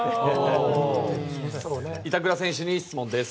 板倉選手に質問です。